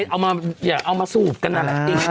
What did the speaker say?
เอามาอย่าเอามาสูบกันนั่นแหละ